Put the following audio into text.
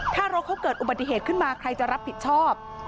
ถ้ารถเขาเกิดอุบัติเหตุขึ้นมาใครจะรับผิดชอบ